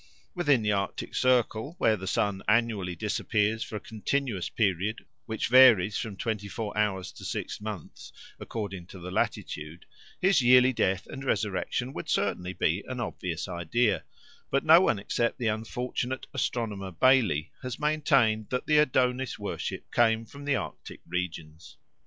Within the Arctic Circle, where the sun annually disappears for a continuous period which varies from twenty four hours to six months according to the latitude, his yearly death and resurrection would certainly be an obvious idea; but no one except the unfortunate astronomer Bailly has maintained that the Adonis worship came from the Arctic regions.